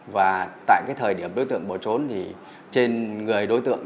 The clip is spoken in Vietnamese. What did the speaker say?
và tại cái thời điểm đối tượng bỏ trốn thì trên người đối tượng